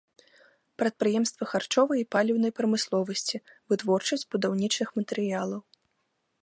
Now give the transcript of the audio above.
Прадпрыемствы харчовай і паліўнай прамысловасці, вытворчасць будаўнічых матэрыялаў.